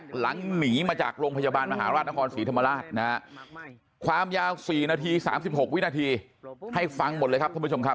หนีมาจากโรงพยาบาลมหาราชนครศรีธรรมราชนะฮะความยาว๔นาที๓๖วินาทีให้ฟังหมดเลยครับท่านผู้ชมครับ